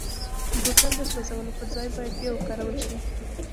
بوتل د سوزولو پر ځای باید بیا وکارول شي.